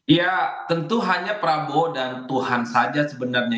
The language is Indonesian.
ya tentu hanya prabowo dan tuhan saja sebenarnya